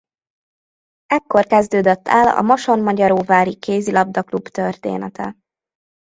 Ekkor kezdődött el a Mosonmagyaróvári Kézilabda Club története.